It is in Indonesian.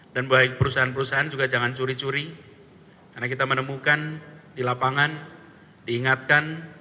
dan baik perusahaan perusahaan juga jangan curi curi karena kita menemukan di lapangan diingatkan